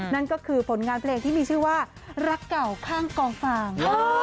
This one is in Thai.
นั่นก็คือผลงานเพลงที่มีชื่อว่ารักเก่าข้างกองฟาง